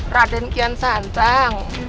raden kian santang